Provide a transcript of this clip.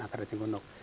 akarnya eceng gondok